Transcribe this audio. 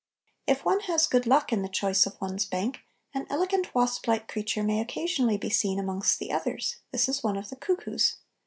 If one has good luck in the choice of one's bank an elegant wasp like creature may occasionally be seen amongst the others; this is one of the cuckoos.